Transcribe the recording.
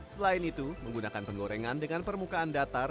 selain itu menggunakan penggorengan dengan permukaan datar